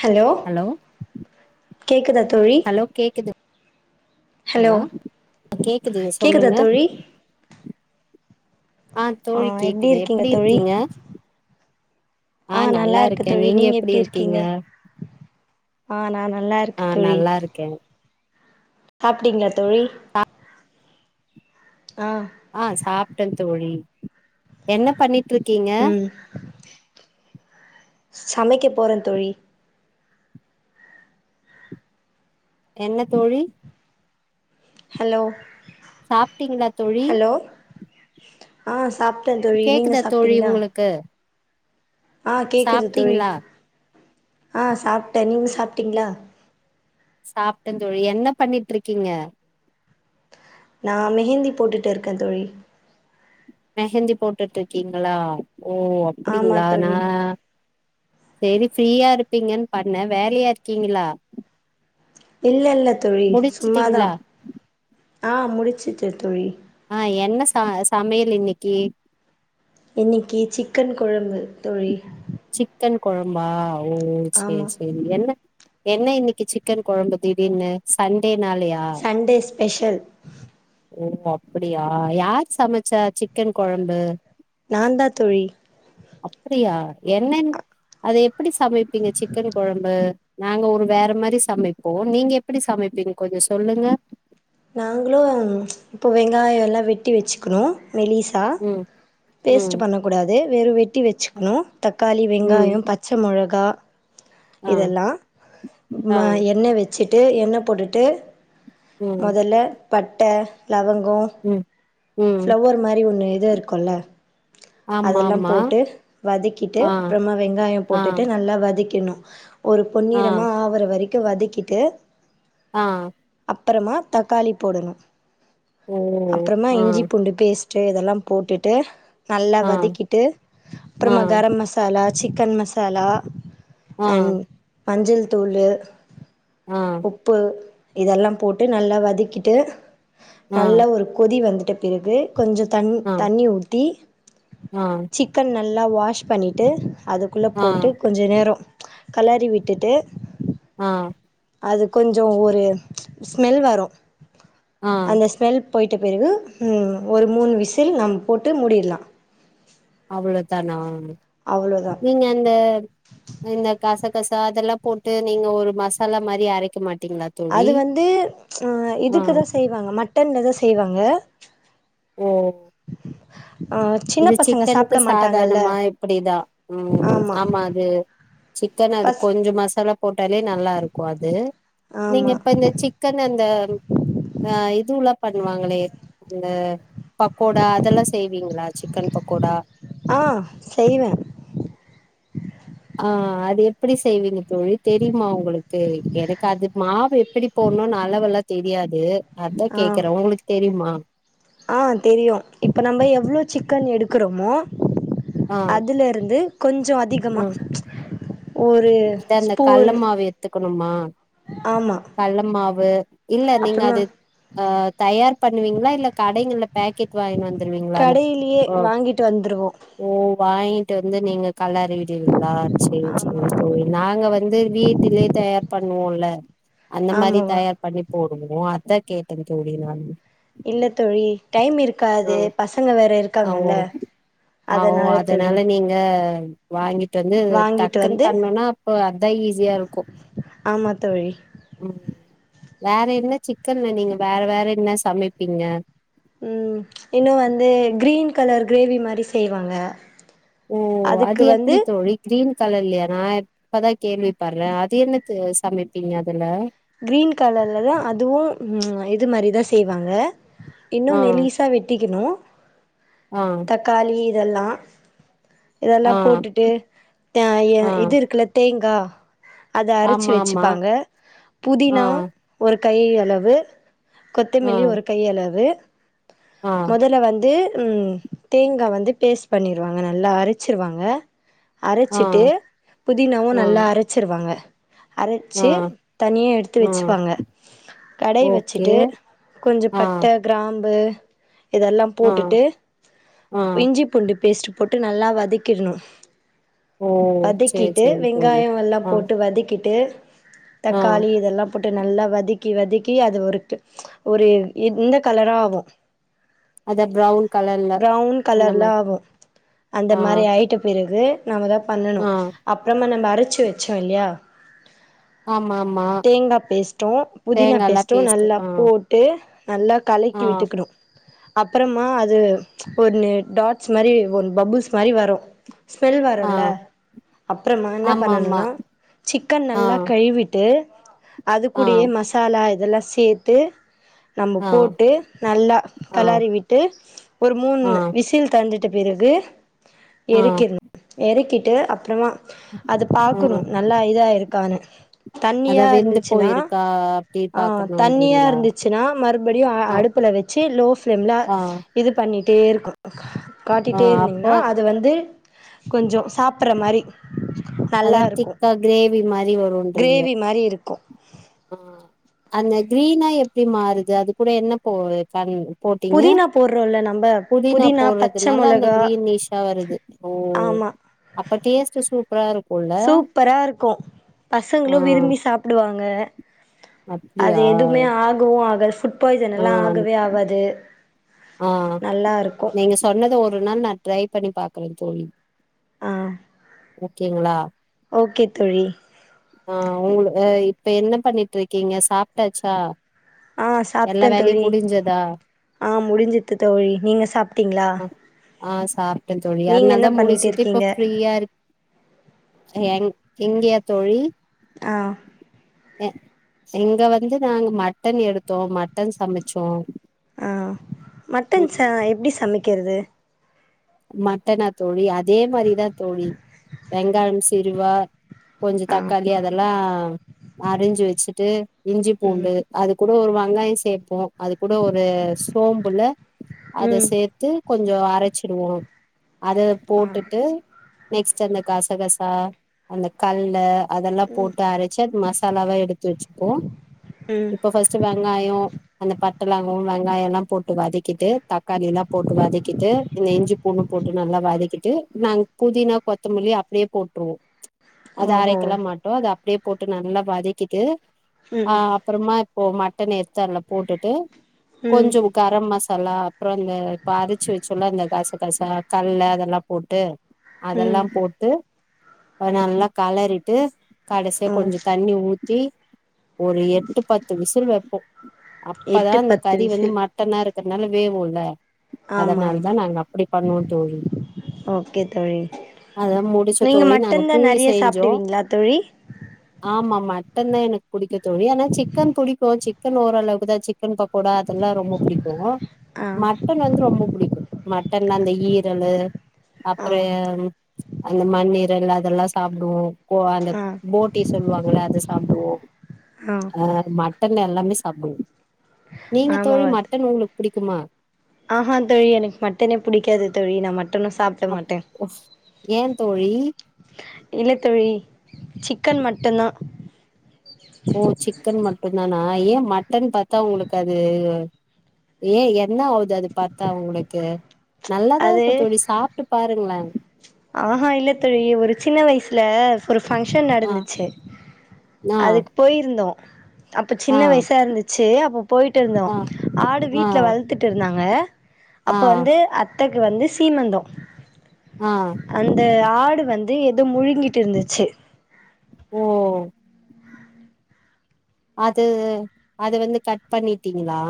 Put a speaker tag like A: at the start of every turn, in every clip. A: Hello கேக்குதா தோழி hello
B: லா கேக்குது
A: கேக்குதா
B: சொல்லுங்க
A: தோழி
B: ஆ தோழி கேக்குது எப்படி இருக்கீங்க
A: ஆ நல்லா இருக்க தோழி நீங்க எப்டி இருக்கீங்க ஆ நா நல்லா இருக்க
B: ஆ
A: தோழி
B: நல்லா இருக்கே
A: சாப்ட்டீங்ளா தோழி ஆ
B: ஆ சாப்ட்ட தோழி என்ன பண்ணி
A: ம்ம் சமைக்க போறே தோழி
B: என்ன தோழி
A: ஹலோ
B: சாப்பிட்டீங்களா தோழி
A: ஆஹ் சாப்
B: கேட்குதா தோழி உங்களுக்கு
A: ஆஹ் கேக்குது தோழி
B: சாப்ட்டீங்களா
A: ஆஹ் சாப்ட்ட நீங்க சாப்ட்டீங்களா
B: சாப்ட்ட தோழி என்ன பண்ணிட்ருக்கீங்க
A: நான் மெஹந்தி போட்டுட்டு இருக்க தோழி
B: மெஹந்தி போட்டுட்டு இருக்கீங்களா ஓ
A: ஆமா
B: அப்டிங்களா நா
A: தோழி
B: சரி ஃப்ரீயா இருப்பீங்கன் பண்ண வேலையா இருக்கீங்களா
A: இல்ல இல்ல தோழி சும்மாதா
B: முடிச்சுட்டீங்களா
A: ஆஹ் முடிச்சிட்ட தோழி
B: ஆஹ் என்ன ச சமையல் இன்னைக்கு
A: இன்னைக்கி சிக்கன் கொழம்பு தோழி
B: சிக்கன் கொழம்பா ஓ
A: ஆமா
B: செரி செரி என்ன என்ன இன்னைக்கி சிக்கன் கொழம்பு திடீர்ன்னு ச டே நாலையா
A: ஸ்பேஷல்
B: ஓ அப்டியா யார் சமைச்சா சி சிக்கன் கொழம்பு
A: நான்தா தோழி
B: அப்டியா என்னன் அது எப்டி சமைப்பீங்க சிக்கன் கொழம்பு நாங்க ஒரு வேற மாறி சமைப்போம் நீங்க எப்டி சமைப்பீங்க கொஞ்சோ சொல்லுங்க
A: நாங்களு இப்ப வெங்காயம்லா வெட்டி வச்சுக்கணு மெலிசா
B: ம் ம்
A: பேஸ்ட் பண்ணக்கூடாது வெறு வெட்டி வச்சுக்கணு தக்காளி
B: ம்
A: வெங்காயம் பச்ச மொளகா
B: ஆ
A: இதெல்லா
B: ஆ
A: ம எண்ண வெச் ட்டு எண்ண போட்டுட்டு
B: ம்
A: மொதல்ல பட் ட்ட லெவங் கோ
B: ம் ம்
A: ஃப்ளவர் மாரி ஒன்னு இது இருக்குல்ல
B: ஆமா
A: அதெல்லாம்
B: ஆமா
A: போட்டு வதக்கிட்டு
B: ஆ
A: அப்புறமா வெங்காயம்
B: ஆ
A: போட்டுட்டு நல்லா வதக்கிடனு ஒரு
B: ஆ
A: பொன்னிறமா ஆவற வரை க்கு வதக்கிட்டு
B: ஆ
A: அப்புறமா தக்காளி போடணு
B: ஓ
A: அப்புறமா
B: ஆ
A: இஞ்சி பேஸ்ட்டு இதெல்லாம் போட்டுட்டு நல்லா
B: ஆ
A: வதக்கிட்டு
B: ஆ
A: அப்புறமா garam masala chicken masala
B: ah
A: and மஞ்சள் தூளு உப்பு இதல்லாம் போட்டு நல்லா வதக்கிட்டு
B: ஆ
A: நல்ல ஒரு கொதி வந்து பிறகு கொஞ்ச தண்ணி
B: ஆ
A: தண்ணி ஊத்தி
B: ஆ
A: சிக்கன் ந நல்லா வாஷ் பண்ணிட்டு அதுக்குள்ள
B: ஆ
A: போட்டு கொஞ்ச நேரம் கலறி விட்டுட்டு
B: ஆஹ்
A: அது கொஞ்சோ ஒரு ஸ்மெல் வரும்
B: ஆ
A: அந்த ஸ்மெல் போய்ட்ட பிறகு ம் ஒரு மூணு விசில் நம் போட்டு மூடிடலா
B: அவ்ளோதானா நீங்க அந்த இந்த காச பசா அதெல்லாம் போட்டு நீங்க ஒரு மசாலா மாரி அரைக்க மாட்
A: அது வந்து ச் ஆஹ்
B: ஆ
A: இதுக்குதான் செய்வாங்க மட்டன்லதான் செய்வாங்க
B: ஓ
A: சின்ன
B: இது
A: பசங்க
B: சிக்கனுக்கு
A: சாப்பிட மாட்டாங்கல்ல
B: சாதாரணமா இப்படிதா உம்
A: ஆமாம்
B: ஆமா அது சிக்கன் அது
A: பஸ்
B: கொஞ்ச மசாலா போட்டாலே நல்லா இருக்கு அது நீங்க
A: ஆமாம்
B: இப்ப இந்த சிக்கன் அந்த ஆஹ் இதுல்லாம் பண்ணுவாங்களே அந்த பக்கோடா அதெல்லாம் செய்வீங்களா சிக்கன் பக்கோடா
A: ஆ செய்வே
B: ஆ அது எப்டி செய்வீங்க தோழி தெரியுமா உங்களுக் தே எனக்கு அது மாவு எப்டி போடணும்னு அளவெல்லா தெரியாது அத்தா கேக்குறே உங்களுக்கு தெரியுமா
A: ஆஹ் தெரியு இப்ப நம்ம எவ்ளோ சிக்கன் எடுக்குறோமோ
B: ஆ
A: அதுல இருந்து கொஞ்ச அதிகமா
B: ம்
A: ஒரு ஸ்பூன்
B: கொணுமா
A: ஆமாம்
B: கள்ள மாவு வு இல்ல நீங்க
A: அப்புறமா
B: அது ஆ தயார் பண்ணுவீங்களா இல்ல கடைகள்ல பேக்கெட் வாங்கீனு வந்து
A: கடையிலயே வாங்கீட்டு வந்துருவோ
B: இருந்து நீங்க கள்ளறி விடுவீங்களா சேரி சேரி சேரி நாங்க வந்து வீட்டிலயே தயார் பண்ணுவோல அந்த மாரி
A: ஆமாவா
B: தயார் பண்ணி போடுவோ அத் அதா கேட்டேன் தோழி நானு
A: இல்ல தோழி டைம்
B: ஆ
A: இருக்காது பசங்க வேற
B: ஆ ஓ
A: இருக்காங்கல்ல அதனால தோழி
B: வாங்கித் வந்து
A: வாங்கிட்டு
B: டக்குனு
A: வந்து
B: பண்ணுனா அப்ப அதா ஈஸியா இருக்கு
A: ஆமாம் தோழி
B: ம் வேற என்ன சிக்கன்ல நீங்க வேற வேற என்ன சமைப்பீங்க
A: ம் இன்னு வந்து கிரீன் கலர் கிரேவி மாரி செய்வாங்க
B: ஓ
A: அதுக்கு
B: அது
A: வந்து
B: எப்டி தோழி கிரீன் கலர்லயா நா எப் இப்பதா கேள்வி படுறே அது என்னது சமைப்பீங்க அதுல
A: கிரீன் கலர்லதா அதுவு ம்ம் இது மாரிதா செய்வாங்க இன்னு
B: ஆ
A: மெலிஸா வெட்டிக்கணு
B: ஆ
A: தக்காளி எல்லா இதெல்லா
B: ஆ
A: போட்டுட்டு ஆ இது இருக்குல்ல தேங்கா அத அரச்சி
B: ஆமா ஆமா
A: வச்சுப்பாங்க
B: ஆ
A: புதினா ஒர் கை அளவு
B: ஆ
A: கொத்தமெல்லி ஒரு கை அளவு
B: ஆ
A: முதல்ல வந்து ஹூம் தேங்கா வந்து பேஸ்ட் பண்ணிருவாங்க நல்லா அரைச்சிருவாங்க
B: ஆ
A: அரைச்சிட்டு புதினாவு
B: ஆ
A: நல்லா அரைச்சிருவாங்க
B: ஆ
A: அரைச்சு தனியா எடுத்து
B: ஆ
A: வெச்சுப்பாங்க கடய்
B: ஓகே
A: வெச்சுட்டு கொஞ்ச
B: ஆ
A: பட்ட கிராம்பு இதெல்லா
B: ஆ
A: போட்டுட்டு
B: ஆ
A: இஞ்சி பூண்டு பேஸ்ட் போட்டு நல்லா வதக்கிட்ணு
B: ஓ சேரி
A: வதக்கிட்டு
B: சேரி தோழி
A: வெங்காயோ எல்லா
B: ஆ
A: போட்டு வதக்கிட்டு
B: ஆ
A: தக்காளி இதெல்லாப் போட்டு நல்லா வதக்கி வதக்கி அது ஒரு ஒரு இந்த கலராகு
B: அத ப்ரவுன் கலர்ல
A: பிரவுன்
B: அந்த
A: கலர்ல
B: மாரி
A: ஆகும்
B: ஆ
A: அந்தமாரி ஆயிட்ட பிறக் இது நம்ம தா பண்ணணு
B: ஆ
A: அப்புறமா நம்ம அரைச் ச்சு வெச்சோ இல்லையா
B: ஆமா ஆமா
A: தேங்கா பேஸ்ட்டு புதினா
B: தேங்கால்லா
A: பேஸ்ட்டு
B: பேஸ்ட்
A: நல்லா
B: ஆ
A: போட்டு நல்லா
B: ஆ
A: கலக்கி விட்டுக்கணு அப்பறமா அது ஒன்னு டாட்ஸ்மாரி ஒரு பபுள்ஸ்மாரி வரு ஸ்மெல்
B: ஆ
A: வருல்ல அப்புறமா என்னா
B: ஆமா ஆமா
A: பண்ணணும்னா சிக்கன்
B: ஆ
A: நல்லா கழிவிட்டு
B: ஆ
A: அதுக்கூடயோ மசாலா இதெல்லா சேத்து நம்ம
B: ஆ
A: போட்டு நல்லா
B: ஆ
A: கலறிவிட்டு ஒரு மூண்
B: ஆ
A: விசில் தட் வந்துட்டு பிறகு
B: ஆ
A: எறக்கிற்னு எறக்கிட் ட்டு அப்புறமா அது பாக்கணு நல்லா இதா ஆயிருக் கான
B: அத வெந்து போயிருக்கா அப்டி
A: ஆஹ் தண்ணியா
B: பாக்கணுன்றீங்களா
A: இருந்துச்சுன்னா மறுபடியு அ
B: ஆ
A: அடுப்புல வெச்சு லோ பிளேம்ல
B: ஆ
A: இது பண் பண்ணிட்டே இருக்கும்
B: ஆ
A: காட்டிட்டே
B: அப்போ
A: இருந்தீங்ன்னா அது வந்து கொஞ்சோ சாப்ற மாரி
B: அதாது திக்கா க்ரேவி மாரி வ
A: க்ரேவி மாரி இருக்கு
B: ஆ அந்த க்ரீனா எப்டி மாறுது அது கூட என்ன போ பண் போட்டீங்க
A: புதினா போடுறோல்ல நம்ப
B: புதினா
A: பச்ச
B: போடுறதுனால அந்த
A: மொளகா
B: க்ரீனிஷா வருது ஓ
A: ஆமா
B: அப்படேஸ்ட் சூப் ப்ராரும்
A: சூப்பரா இருக்கும் பசங்களும்
B: ஆ
A: விரும்பி சாப்டுவாங்க
B: அப்டியா
A: அது எதுவுமே ஆகவும் ஆகாது
B: ஆ
A: ஃபுட்பாய்சனெலா ஆகவே ஆகாது நல்லாருக்கும்
B: ஒருநாள் நா ட்ரை பண்ணி பாக்குறே தோழி
A: ஆ
B: ஓகேங்களா
A: ஓகே தோழி
B: ஆஹ் உங்கள அ இப்ப என்ன பண்ணிட்டு இருக்கீங்க சாப்டாச்சா
A: ஆஹ் சாப்ட்டேன் தோழி ஆஹ் முடிஞ்சித்து தோழி நீங்க சாப்பிட்டீங்களா
B: ஆஹ் சாப் ப்டன் தோழி அதனால தா முடிச்சுட்டு இப்ப
A: இருக்கீங்க
B: ஃப்ரீயா இருக் என் இங்கியா தோழி
A: ஆஹ்
B: அ இங்க வந்து நாங்க மட்டன் எடு தோம் மட்டன் சமைச்சோம்
A: ஆஹ் மட்டன் ச எப்படி சமைக் கிறது
B: மட்டனா தோழி அத் இதே மாரிதா தோழி வெங் [unintelligible] சிருவா கொஞ்ச
A: ஆ
B: தக்காளி அதெல்லா அரிஞ்சு வச்சிட்டு இஞ்சி
A: ம்
B: பூண்டு அதுக்கூ ப்ரோம் ஒரு வங்காயம் சேப்போம் அது கூட ஒரு சோம்புல அத
A: ம்
B: சேத்து கொஞ்ச அரைச்சி திரும அத
A: ஆ
B: போட்டுட்டு நெக்ஸ்ட் அந்த கசகசா அந்த கல்ல அதெல்லா போட்டு அரைச்சு அது மசாலாவா எடுத்து வச்சிப்போம்
A: ம்
B: இப்ப ஃபர்ஸ்ட்டு வெங்காயம் அந்த பட்ட லவங்க வெங்காயம் எல்லாம் போட்டு வதக்கிட்டு தக்காளி எல்லாம் போட்டு வதக்கிட்டு இந்த இஞ்சி பூண்டும் போட்டு நல்லா வதக்கிட்டு நாங் புதினா கொத்தமல்லி அப்டியே போட்டுருவோம் அது
A: ஓஹோ
B: அரைக்கலாம் மாட்டோம் அதப் அப்டியே போட்டு நல்லா வதக்கிட்டு
A: ம்
B: ஆஹ் அப்றமா ஓ மட்டன் எடுத்து அதுல போட்டுட்டு
A: ம்
B: கொஞ்சோம் கரம் மஷ் லா அப்றம் இந்த அரைச்சு வச்சு சொல்ல அந்த காசு காசா கல்ல அதெலாம் போட்டு
A: ம்
B: அதெல்லாம் போட்டு நல்லா கலறிட்டு கடசியா
A: ஓ
B: கொஞ்ச தண்ணி ஊத் தி ஒரு எட்டு பத்து விசில் வப்போம். அப்பதா
A: எட்டு
B: இந்த
A: பத்து
B: கறி வந்து
A: விசில்
B: மட்டனாருக் தன்னால வேவுல
A: ஆமா ஆம்
B: தா நாங்க அப்டி பண்ணுவோம் தோழி,
A: ஓகே தோழி
B: அத முடுச்ச
A: நீங்க
B: தோழி நாங்க
A: மட்டன் தா
B: பூரி
A: நெறைய
B: செஞ்சோம்
A: சாப்டுவீங்களா தோழி
B: ஆமா. மட்டன்தா எனக்கு புடிக்கும் தோழி, ஆனா சிக்கன் புடிக்கும் சிக்கன் ஓரளவுக்கு தா சிக் கன் பக்கோடா அதெல்லாம் ரொம்ப புடிக்கும்,
A: ஆ
B: மட்டன் வந்து ரொம்ப புடிக்கும். மட்டன்லா அந்த ஈரலு
A: ஆ
B: அப்பறம் அந்த மண்ணீரல் அதெல்லாம் சாப்டுவோம். கோ அந்த
A: ஆ
B: போட்டி சொல்வாங்கள்ள அத சாப்டுவோம்.
A: ஆ
B: அஹ் மட்டன் ல எல்லாமே சாப்டுவோம். நீங்க தோழி மட்டன் உங்ளுக்கு புடிக்குமா?
A: ஆஹான் தோழி எனக்கு மட்டனே புடிக்காது தோழி நா மட்டனும் சாப்ட மாட்டே
B: ஏ தோழி
A: இல்லத்தோழி சிக்கன் மட்டுந்தா
B: ஓ சிக்கன் மட்டுந்தானா? ஆஹ் ஏ மட்டன் பாத்தா உங்ளுக்கு அது, ஏன் என்ன ஆவுது அது பாத்தா உங்ளுக்கு? நல்லாதா
A: அது
B: இருக்கும் தோழி சாப்டு பாருங்களேன்
A: ஆஹா இல்ல தோழி ஒரு சின்ன வயசுல ஒரு ஃபங்ஷன்
B: ஆ
A: நடந்துச்சு,
B: ஆ
A: அதுக்கு போயிருந்தோம். அப்ப
B: ஆ
A: சின்ன வயசா இருந்துச்சு, அப்போ போயிட்டு இருந்தோம்.
B: ஆ
A: ஆடு
B: ஆ
A: வீட்ல வளத்துட்டு இருந்தாங்க க
B: ஆ
A: அப்ப வந்து அத்த கு வந்து சீமந்தோ
B: ஆ
A: அந்த ஆ ஆடு வந்து எதோ முழுங்கிட்டு இருந்துச்சு
B: ஓ அது அது வந்து கட் பண்ணிட்டீங்களா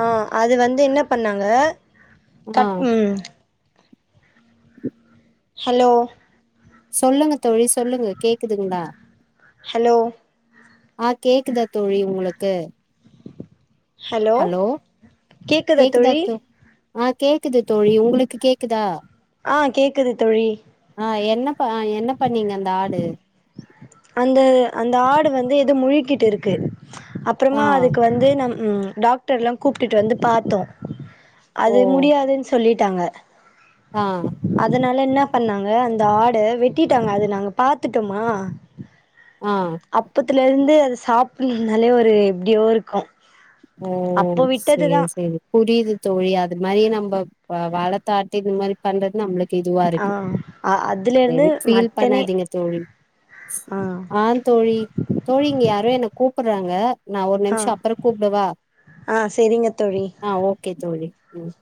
A: ஆஹ் அது வந்து என்ன பண்ணாங்க
B: ஆ
A: கட் உம் ஹலோ
B: சொல்லுங்க தோழி சொல்லுங்க கேக்குதுங்ளா
A: ஹலோ
B: ஆஹ் கேக்குதா தோழி உங்களுக்கு ஹலோ கேக்குதா தோ? ஆஹ் கேக்குது தோழி, உங்களுக்கு கேக்குதா?
A: ஆ கேக்குது தோழி
B: அ என்னபா என்ன பண்ணீங்க அந்த ஆடு
A: அந்த அந்த ஆடு வந்து ஏதோ முழுங்கிட்டு இருக்கு அப்புறமா
B: ஆ
A: அதுக்கு வந்து நம் உம் டாக்டர்லா கூப்டிட்டு வந்து பாத்தோ அது முடியாதுன்னு சொல்லிட் டாங்க
B: ஆஹ்
A: அதனால என்ன பண்ணாங்க அந்த ஆட வெட்டிட்டாங்க அத நாங்க பாத்துட்டொமா
B: ஆ
A: அப்பத்துல இருந்து அது சாப்பிடன்னுனாலே ஒரு எப்டியோ இருக்கு
B: ஓ
A: அப்போ விட்டதுதா
B: சேரி சேரி புரியுது தோழி அது மாரி நம்ம வளத்த ஆட்ட இந்த மாரி பண்றது நம்முளுக் இதுவா
A: ஆ
B: இருக்கு
A: அ அதுல இருந்து
B: சரி ஃபீல்
A: மட்டனே
B: பண்ணாதீங்க தோழி ஆ தோழி தோழி இங்க யாரோ என்ன கூப் ப்படறாங்க நா ஒரு நிமிஷ
A: ஆ
B: அப்பற கூப் பவா
A: ஆ சரிங்க தோழி
B: ஆஹ் ஓகே தோழி உம்